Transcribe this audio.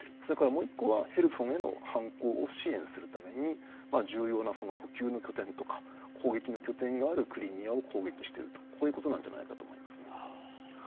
もう１つはヘルソンへの反攻を支援するために重要な補給の拠点とか攻撃の拠点があるクリミアを攻撃しているということなんじゃないかと思います。